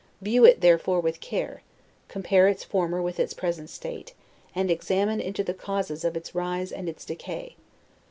View it therefore with care, compare its former with its present state, and examine into the causes of its rise and its decay.